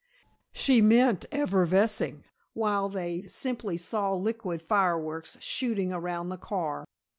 She meant effervescing, while they simply saw liquid fireworks shooting around the car.